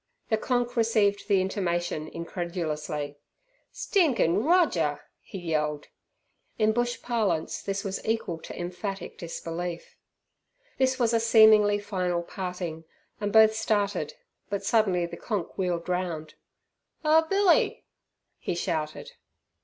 The "Konk" received the intimation incredulously. "Stinkin' Roger!" he yelled. In bush parlance this was equal to emphatic disbelief. This was a seemingly final parting, and both started, but suddenly the "Konk" wheeled round. "Oh, Billy!" he shouted.